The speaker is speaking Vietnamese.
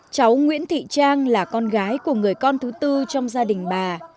cháu nguyễn thị trang là con gái của người con thứ tư trong gia đình bà